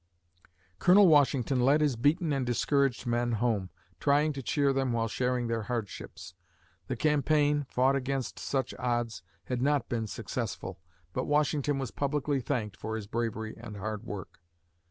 Colonel Washington led his beaten and discouraged men home, trying to cheer them while sharing their hardships. The campaign, fought against such odds, had not been successful, but Washington was publicly thanked for his bravery and hard work.